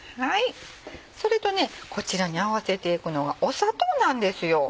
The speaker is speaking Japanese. それとこちらに合わせていくのが砂糖なんですよ。